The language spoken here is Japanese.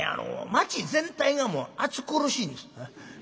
街全体がもう暑苦しいんです。